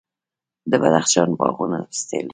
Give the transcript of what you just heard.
د بدخشان باغونه پستې لري.